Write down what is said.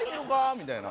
みたいな。